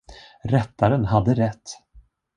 Rättaren hade rätt.